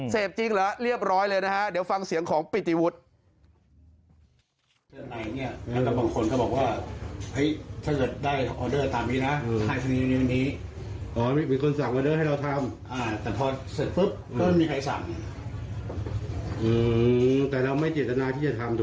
จริงเหรอเรียบร้อยเลยนะฮะเดี๋ยวฟังเสียงของปิติวุฒิ